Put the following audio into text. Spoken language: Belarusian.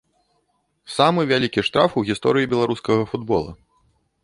Самы вялікі штраф у гісторыі беларускага футбола.